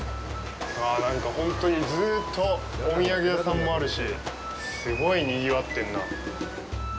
本当にずっとお土産屋さんもあるしすごいにぎわってんな。